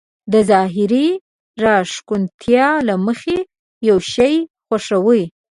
د ظاهري راښکونتيا له مخې يو شی خوښوي.